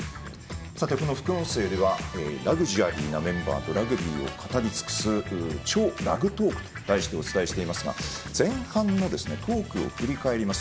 この副音声ではラグジュアリーなメンバーとラグビーを語り尽くす「＃超ラグトーク」と題してお伝えしていますが前半のトークを振り返ります。